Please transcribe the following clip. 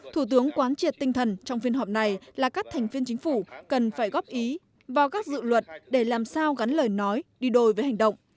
thủ tướng quán triệt tinh thần trong phiên họp này là các thành viên chính phủ cần phải góp ý vào các dự luật để làm sao gắn lời nói đi đôi với hành động